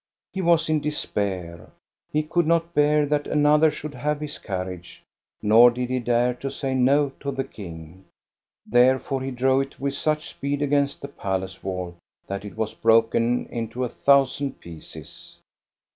He was in despair. He could not bear that another should have his carriage, nor did he dare to say no to the king. Therefore he drove it with such speed against the palace wall that it was broken into a thousand pieces.